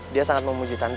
dia sangat memuji tante